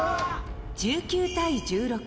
１９対１６。